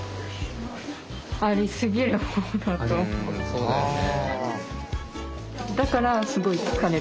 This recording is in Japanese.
そうだよね。